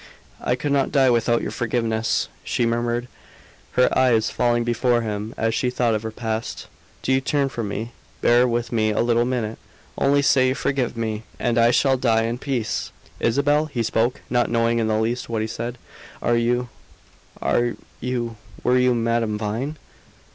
"I could not die without your forgiveness," she murmured, her eyes falling before him as she thought of her past. "Do you turn from me? Bear with me a little minute! Only say you forgive me, and I shall die in peace!" "Isabel?" he spoke, not knowing in the least what he said. "Are you are you were you Madame Vine?"